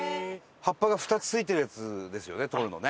葉っぱが２つ付いてるやつですよね採るのね。